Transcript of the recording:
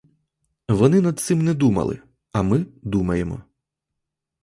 Вони над цим не думали, а ми думаємо.